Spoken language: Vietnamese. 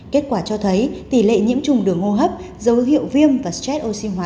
kết quả cho thấy tỷ lệ nhiễm trùng đường hô hấp dấu hiệu viêm và stress oxy hóa